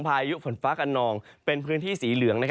พายุฝนฟ้ากันนองเป็นพื้นที่สีเหลือง